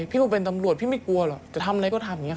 พี่ต้องเป็นตำรวจพี่ไม่กลัวหรอกจะทำอะไรก็ทำอย่างนี้